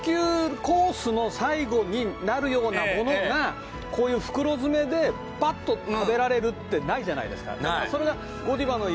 何ていうのになるようなものがこういう袋詰めでパッと食べられるってないじゃないですかな